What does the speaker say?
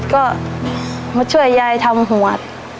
ก็มาช่วยยายทำหัว